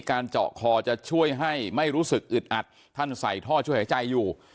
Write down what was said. เจาะคอจะช่วยให้ไม่รู้สึกอึดอัดท่านใส่ท่อช่วยหายใจอยู่